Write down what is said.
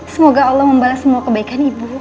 semoga allah membalas semua kebaikan ibu